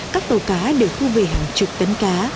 các tàu cá đều thu về hàng chục tấn cá